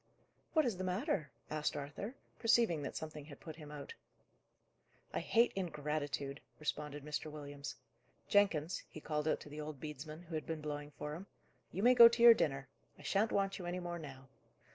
"What is the matter?" asked Arthur, perceiving that something had put him out. "I hate ingratitude," responded Mr. Williams. "Jenkins," he called out to the old bedesman, who had been blowing for him, "you may go to your dinner; I shan't want you any more now."